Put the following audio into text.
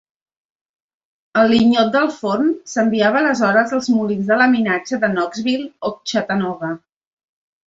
El lignot d'alt forn s'enviava aleshores als molins de laminatge de Knoxville o Chattanooga.